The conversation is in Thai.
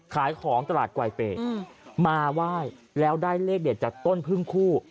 ขายของตลาดกวายเปย์มาไหว้แล้วได้เลขเด็ดจากต้นพึ่งคู่